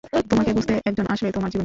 তোমাকে বুঝতে একজন আসবে তোমার জীবনে।